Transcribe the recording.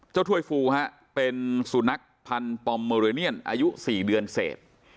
ถ้วยฟูฮะเป็นสุนัขพันธ์ปอมเมอเรเนียนอายุ๔เดือนเศษ